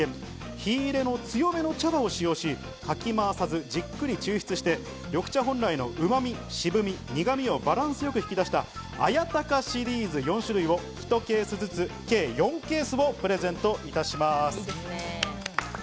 火入れの強めの茶葉を使用し、かき回さず、じっくり抽出して緑茶本来のうまみ、渋み、苦みをバランスよく引き出した、綾鷹シリーズ４種類を１ケースずつ、計４ケースをプレゼントいたします。